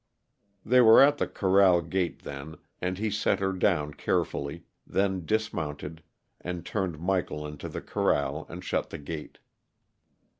They were at the corral gate then, and he set her down carefully, then dismounted and turned Michael into the corral and shut the gate.